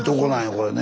これね。